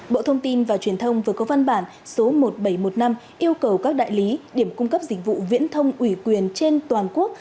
bộ thông tin và truyền thông vừa có văn bản số một nghìn bảy trăm một mươi năm yêu cầu các đại lý điểm cung cấp dịch vụ viễn thông ủy quyền trên toàn quốc